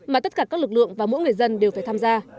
mà tất cả các lực lượng và mỗi người dân đều phải tham gia